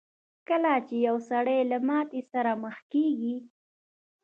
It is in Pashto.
کله چې يو سړی له ماتې سره مخ کېږي.